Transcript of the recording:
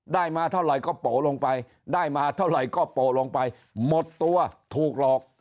ได้มาเท่าไหร่ก็โปะลงไปได้มาเท่าไหร่ก็โปะลงไปหมดตัวถูกหลอก